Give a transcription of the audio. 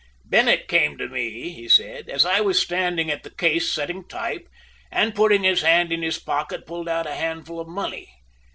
"Bennett came to me," he said, "as I was standing at the case setting type, and putting his hand in his pocket pulled out a handful of money.